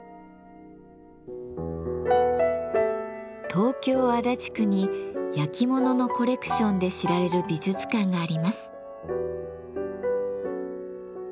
東京・足立区に焼き物のコレクションで知られる美術館があります。